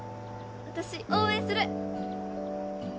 私応援する！